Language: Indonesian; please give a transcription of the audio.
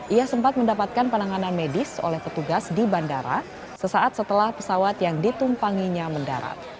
ia sempat mendapatkan penanganan medis oleh petugas di bandara sesaat setelah pesawat yang ditumpanginya mendarat